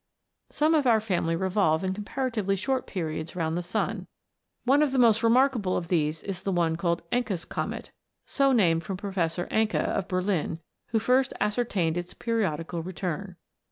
Some of our family revolve in comparatively short periods round the sun. One of the most remark able of these is the one called Encke's Comet so named from Professor Encke, x>f Berlin, who first ascertained its periodical return.